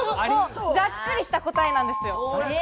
ざっくりした答えなんですよ。